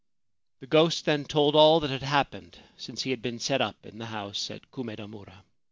The ghost then told all that had happened since he had been set up in the house at Kumedamura.